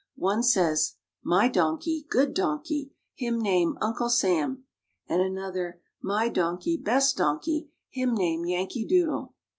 One says: "My donkey good donkey. Him name Uncle Sam," and another: "My donkey best donkey. Him name Yankee Doodle."